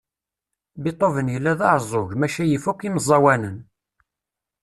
Beethoven yella d aɛeẓẓug maca yif akk imeẓẓawanen.